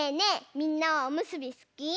みんなはおむすびすき？